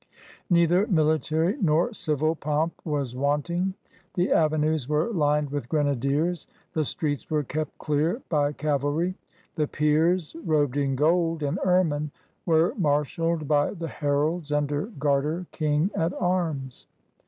Neither military nor civil pomp was wanting. The avenues were lined with grenadiers. The streets were kept clear by cavalry. The peers, robed in gold and ermine, were marshaled by the heralds under Garter King at arms.